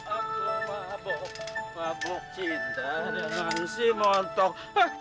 aku aku mabuk mabuk cinta dengan si montok